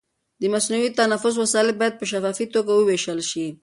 د مصنوعي تنفس وسایل باید په شفافي توګه وویشل شي.